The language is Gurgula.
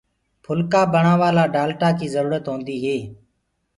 ڦُلڪآ بڻآوآ لآ ڊآلٽآ ڪيٚ جرورتَ هونٚدي هي